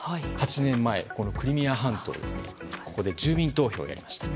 ８年前、クリミア半島ここで住民投票をやりました。